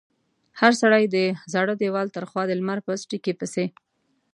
هر سړي د زاړه دېوال تر خوا د لمر په څړیکې پسې.